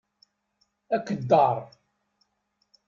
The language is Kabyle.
Akeddaṛ.